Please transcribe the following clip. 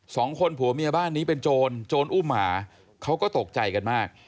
สองคนผัวเมียบ้านนี้เป็นโจรโจรอุ้มหมาเขาก็ตกใจกันมาก